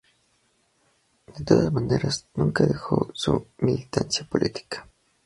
De todas maneras, nunca dejó su militancia política.